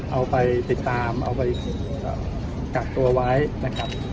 เอาไปติดตามกัดไว้นะครับ